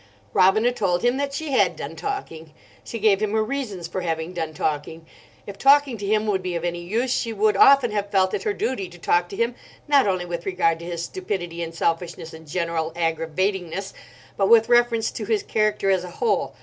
Robina told him that she had done talking. She gave him her reasons for having done talking. If talking to him would be of any use she would often have felt it her duty to talk to him, not only with regard to his stupidity and selfishness and general aggravatingness, but with reference to his character as a whole.